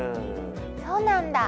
そうなんだ。